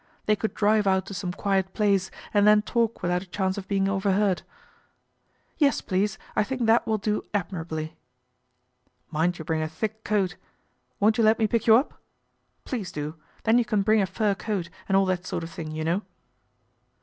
They could driv out to some quiet place and then talk without a chance of being overheard. ' Yes, please, I think that will do admirably." " Mind you bring a thick coat. Won't you let me pick you up ? Please do, then you can bring a fur coat and all that sort of thing, you know."